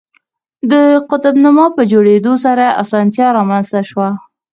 د قطب نما په جوړېدو سره اسانتیا رامنځته شوه.